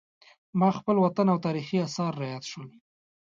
ما خپل وطن او تاریخي اثار را یاد شول.